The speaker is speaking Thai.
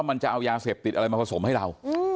มันจะเอายาเสพติดอะไรมาผสมให้เรา